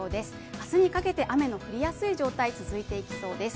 明日にかけて雨の降りやすい状態続いていきそうです。